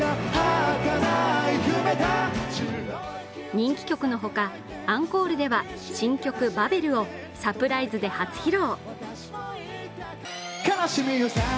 人気曲のほか、アンコールでは新曲「Ｂａｂｅｌ」をサプライズで初披露。